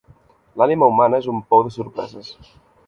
L'ànima humana és un pou de sorpreses.